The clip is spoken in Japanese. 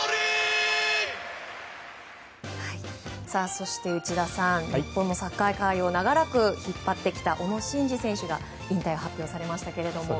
そして、内田さん日本のサッカー界を長らく引っ張ってきた小野伸二選手が引退を発表されましたけれども。